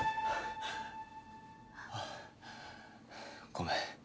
あごめん。